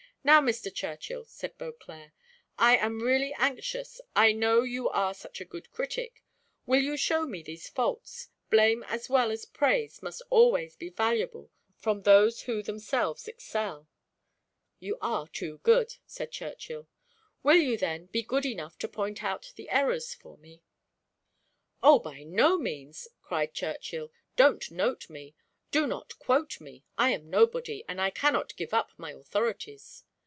"Now, Mr. Churchill," said Beauclerc; "I am really anxious, I know you are such a good critic, will you show me these faults? blame as well as praise must always be valuable from those who themselves excel." "You are too good," said Churchill. "Will you then be good enough to point out the errors for me?" "Oh, by no means," cried Churchill, "don't note me, do not quote me, I am nobody, and I cannot give up my authorities."